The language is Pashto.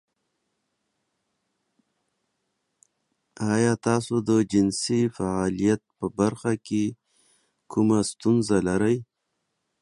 ایا تاسو د جنسي فعالیت په برخه کې کومه ستونزه لرئ؟